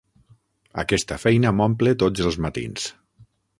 Aquesta feina m'omple tots els matins.